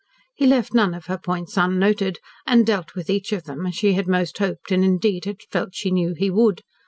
He left none of her points unnoted, and dealt with each of them as she had most hoped and indeed had felt she knew he would.